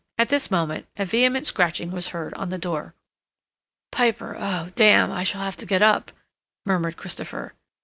At this moment a vehement scratching was heard on the door. "Piper!—oh, damn!—I shall have to get up," murmured Christopher.